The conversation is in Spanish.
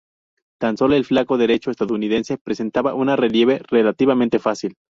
Tan solo el flanco derecho estadounidense presentaba un relieve relativamente fácil.